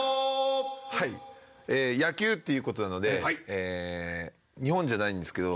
野球っていうことなので日本じゃないんですけど。